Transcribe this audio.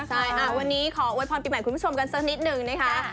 พี่ป๋าวันนี้ขอโอนพรปินใหม่คุณผู้ชมกันสักนิดนึงนะคะ